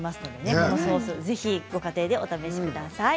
このソースぜひご家庭でお試しください。